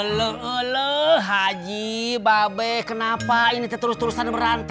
lolo haji babe kenapa ini terus terusan berantem